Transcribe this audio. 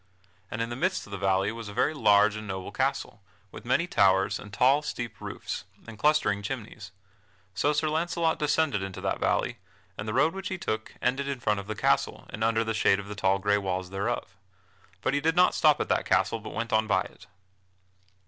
And in the midst of the valley was a very large and noble castle, with many towers, and tall, steep roofs, and clustering chimneys. So Sir Launcelot descended into that valley, and the road which he took ended in front of the castle and under the shade of the tall gray walls thereof. But he did not stop at that castle but went on by it.